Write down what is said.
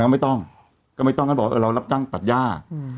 ไม่ต้องมันบอกเรารับจ้างตัดย่า